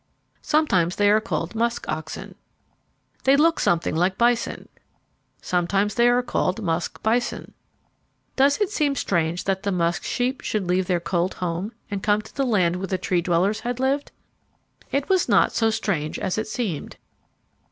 Sometimes they are called musk oxen. They looked something like the bison. Sometimes they are called musk bison. Does it seem strange that the musk sheep should leave their cold home and come to the land where the Tree dwellers had lived? It was not so strange as it seemed.